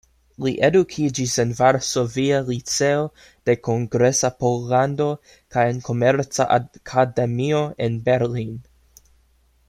Li edukiĝis en Varsovia Liceo de Kongresa Pollando kaj en Komerca Akademio en Berlin.